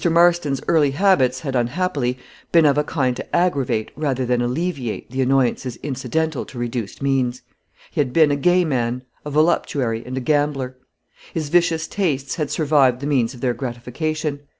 Marston's early habits had, unhappily, been of a kind to aggravate, rather than alleviate, the annoyances incidental to reduced means. He had been a gay man, a voluptuary, and a gambler. His vicious tastes had survived the means of their gratification.